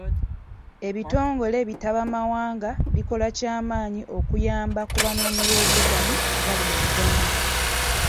Ebitongole bi ttabamawanga bikola ky'amaanyi okuyamba ku banoonyi b'obubudamu abali mu Uganda.